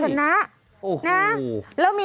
จัดกระบวนพร้อมกัน